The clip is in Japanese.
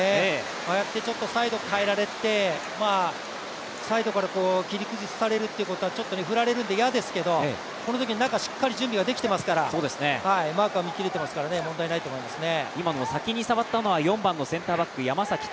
ああやってサイドを変えられてサイドから切り崩されるということはちょっとめくられるんで、嫌ですけれども、このときに中、しっかり準備ができていますから、マークはみきれていまから、問題ないと思いますね。